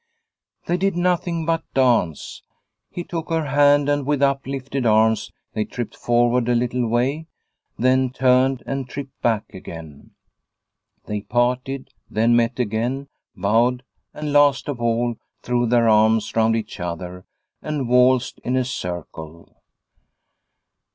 They did nothing but dance. He took her hand and with up lifted arms they tripped forward a little way, then turned and tripped back again. They parted, then met again, bowed, and last of all threw their arms round each other and waltzed in a circle.